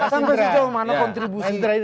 sampai sejauh mana kontribusi